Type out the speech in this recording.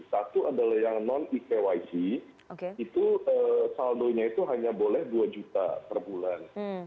satu adalah yang non ekyc itu saldonya itu hanya boleh dua juta per bulan